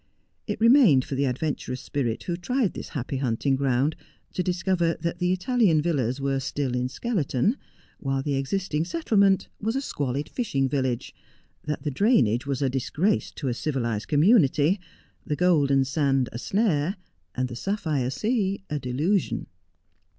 It remained for the adventurous spirit wdio tried this happy hunting ground to discover that the Italian villas were still in skeleton, while the existing settlement was a squalid fishing village ; that the drainage was a disgrace to a civilized community, the golden sand a snare, and the sapphire sea a delusion.